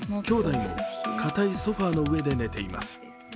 兄弟も硬いソファーの上で寝ています。